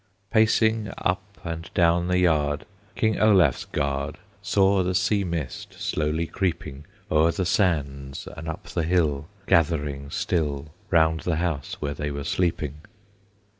Pacing up and down the yard, King Olaf's guard Saw the sea mist slowly creeping O'er the sands, and up the hill, Gathering still Round the house where they were sleeping.